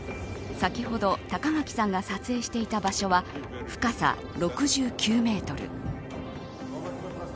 先ほど高垣さんが撮影していた場所は深さ６９メートル。